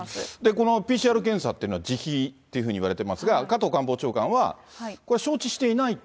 このＰＣＲ検査というのは自費っていうふうにいわれていますが、加藤官房長官は、これは承知していないと。